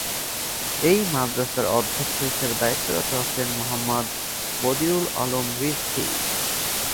এই মাদ্রাসার অধ্যক্ষ হিসেবে দায়িত্বরত আছেন মুহাম্মদ বদিউল আলম রিজভী।